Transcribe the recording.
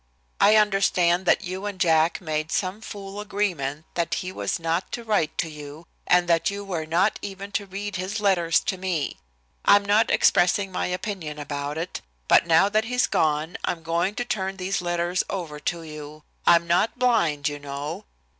"I understand that you and Jack made some fool agreement that he was not to write to you, and that you were not even to read his letters to me. I'm not expressing my opinion about it, but now that he's gone, I'm going to turn these letters over to you. I'm not blind, you know.